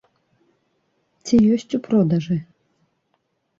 Ці ёсць у продажы?